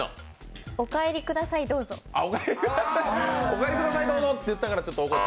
お帰りください、どうぞ？